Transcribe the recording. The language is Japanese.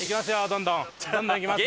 どんどん行きますよ！